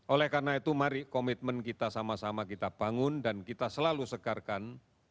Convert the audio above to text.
oleh karena itu mari komitmen kita sama sama kita bangun dan kita selalu segarkan